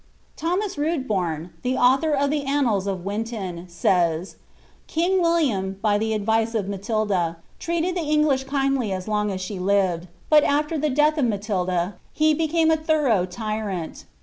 Thomas Rndboome, the author of the Annals of Winton, says, ^ King William, by the advice of Bfatilda, treated the English kindly as long as she lived, bat after the death of Matilda he became a thorough tyrant.'"